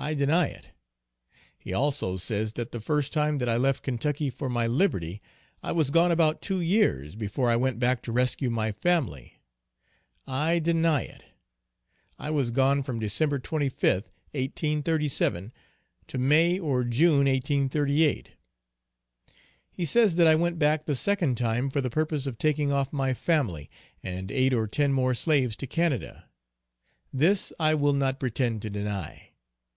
I deny it. He also says that the first time that I left Kentucky for my liberty, I was gone about two years, before I went back to rescue my family. I deny it. I was gone from Dec. 25th, 1837, to May, or June, 1838. He says that I went back the second time for the purpose of taking off my family, and eight or ten more slaves to Canada. This I will not pretend to deny.